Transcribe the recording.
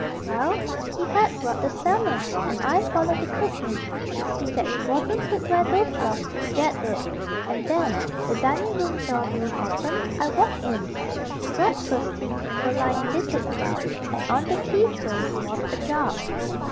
Well, he had brought the salmon, and I followed the cook in, to see that it wasn't put where those dogs could get it; and then, the dining room door being opened, I walked in. The breakfast things were lying littered about, and on the tea tray was a jug.